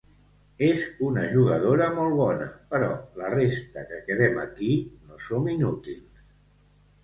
És una jugadora molt bona, però la resta que quedem aquí no som inútils.